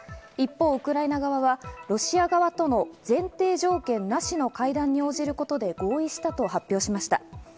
一方、ウクライナ側はロシア側との前提条件なしの会談に応じることで合意したと発表しました。